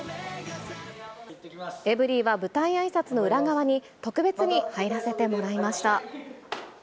エブリィは舞台あいさつの裏側に、特別に入らせてもらいました。